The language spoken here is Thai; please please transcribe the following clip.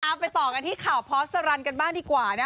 ไปต่อกันที่ข่าวพอสรันกันบ้างดีกว่านะ